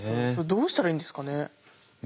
どうしたらいいんですか？